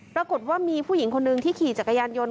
ปรากฏว่ามีผู้หญิงคนหนึ่งที่ขี่จักรยานยนต